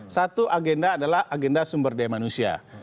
satu agenda adalah agenda sumber daya manusia